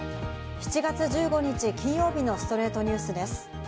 ７月１５日、金曜日の『ストレイトニュース』です。